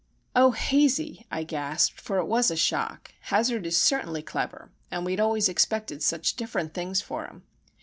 "Oh, Hazey!" I gasped, for it was a shock. Hazard is certainly clever, and we had always expected such different things for him.